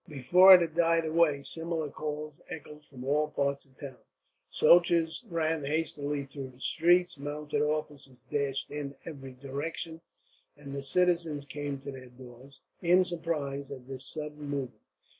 Before it had died away, similar calls echoed from all parts of the town. Soldiers ran hastily through the streets, mounted officers dashed in every direction, and the citizens came to their doors, in surprise at this sudden movement.